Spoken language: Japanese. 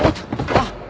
あっ！